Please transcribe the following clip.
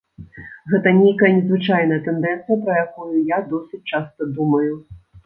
Гэта нейкая незвычайная тэндэнцыя, пра якую я досыць часта думаю.